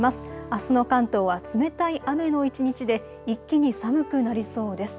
あすの関東は冷たい雨の一日で一気に寒くなりそうです。